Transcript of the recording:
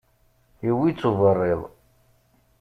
Iwwi-tt uberriḍ.